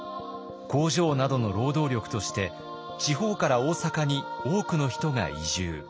工場などの労働力として地方から大阪に多くの人が移住。